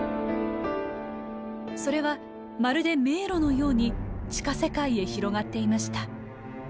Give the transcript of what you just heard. それはまるで迷路のように地下世界へ広がっていました。